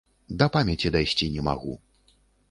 Да памяці дайсці не магу.